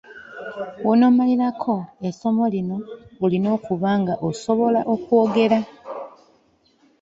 W'onoomalirako malako essomo lino olina okuba ng'osobola okwogera.